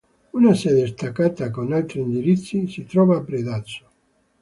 Una sede staccata con altri indirizzi si trova a Predazzo.